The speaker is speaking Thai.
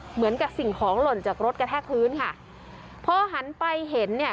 เหมือนกับสิ่งของหล่นจากรถกระแทกพื้นค่ะพอหันไปเห็นเนี่ย